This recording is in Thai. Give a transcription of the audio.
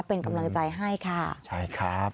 เป็นกำลังใจให้ค่ะใช่ครับ